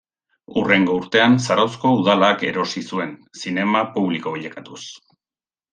Hurrengo urtean Zarauzko udalak erosi zuen, zinema publiko bilakatuz.